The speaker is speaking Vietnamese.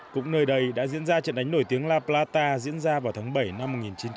cũng nơi đây đã diễn ra trận đánh nổi tiếng la plata diễn ra vào tháng bảy năm một nghìn chín trăm bảy mươi